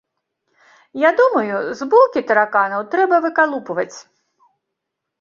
Я думаю, з булкі тараканаў трэба выкалупваць.